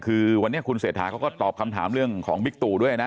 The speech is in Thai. คือวันนี้คุณเศรษฐาเขาก็ตอบคำถามเรื่องของบิ๊กตู่ด้วยนะ